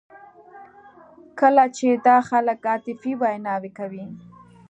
کله چې دا خلک عاطفي ویناوې کوي.